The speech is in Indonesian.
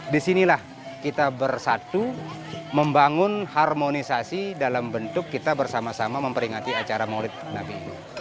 disinilah kita bersatu membangun harmonisasi dalam bentuk kita bersama sama memperingati acara maulid nabi